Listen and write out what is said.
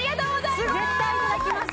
絶対いただきます